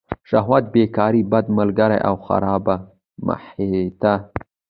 شهوت، بېکاري، بد ملګري او خرابه محیطه.